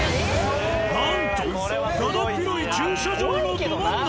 なんとだだっ広い駐車場のど真ん中。